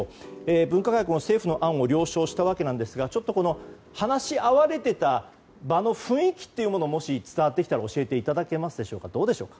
分科会、政府の案を了承したわけですが話し合われてた場の雰囲気が伝わってきていたら教えていただけますでしょうか。